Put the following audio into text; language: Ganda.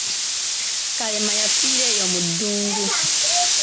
Kalema yafiira eyo mu ddungu.